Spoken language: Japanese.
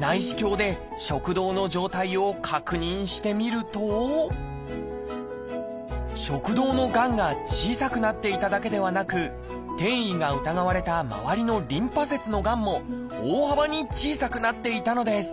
内視鏡で食道の状態を確認してみると食道のがんが小さくなっていただけではなく転移が疑われたまわりのリンパ節のがんも大幅に小さくなっていたのです！